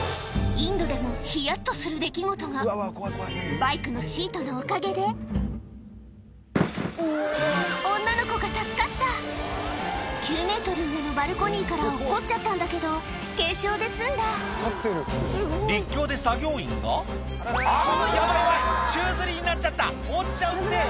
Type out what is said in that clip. インドでもヒヤっとする出来事が９ｍ上のバルコニーから落っこっちゃったんだけど軽傷で済んだ陸橋で作業員があぁヤバいヤバい宙づりになっちゃった落ちちゃうって！